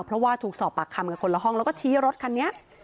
เพราะว่าถูกสอบปากคำกันคนละห้องแล้วก็ชี้รถคันนี้